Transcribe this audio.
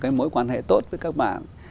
cái mối quan hệ tốt với các bạn